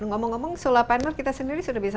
ngomong ngomong solar panel kita sendiri sudah bisa